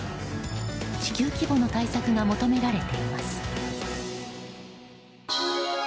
地球規模の対策が求められています。